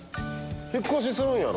引っ越しするんやろ？